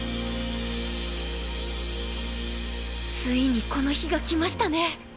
ついにこの日が来ましたね！